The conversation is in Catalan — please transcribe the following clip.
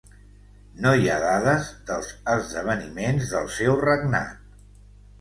No hi ha dades dels esdeveniments del seu regnat.